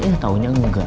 eh taunya engga